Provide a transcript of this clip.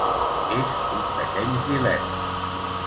És un d'aquells dilemes.